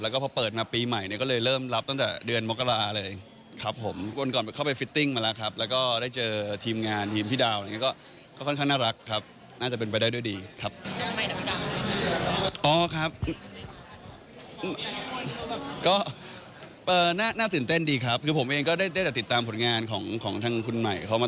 ก็ดีใจมากนั่นเองที่ได้ร่วมงานกับใหม่ค่ะ